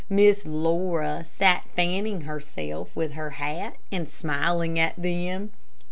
Miss Laura sat fanning herself with her hat and smiling at them.